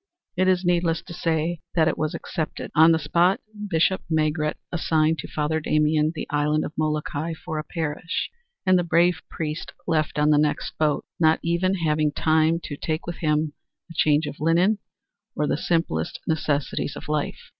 It is needless to say that it was accepted. On the spot Bishop Maigret assigned to Father Damien the island of Molokai for a parish, and the brave priest left on the next boat, not even having time to take with him a change of linen or the simplest necessities of life.